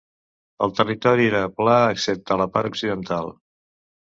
El territori era pla excepte la part occidental.